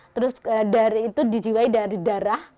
terus dari itu dijiwai dari darah